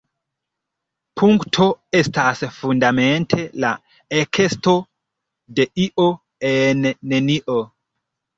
Punkto estas fundamente la ekesto de “io” en “nenio”.